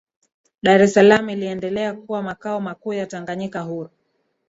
Dar es Salaam iliendelea kuwa makao makuu ya Tanganyika huru